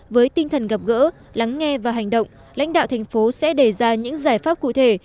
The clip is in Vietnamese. với tinh thần gặp gỡ lắng nghe và hành động lãnh đạo thành phố sẽ đề ra những giải pháp cụ thể